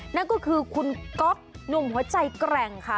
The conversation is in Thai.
นั่นก็คือคุณก๊อฟหนุ่มหัวใจแกร่งค่ะ